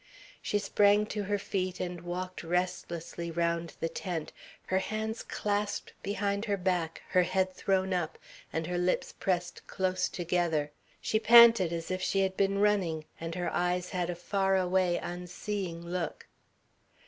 She sprang to her feet and walked restlessly round the tent, her hands clasped behind her back, her head thrown up, and her lips pressed close together. She panted as if she had been running, and her eyes had a far away, unseeing look.